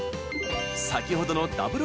先ほどのダブル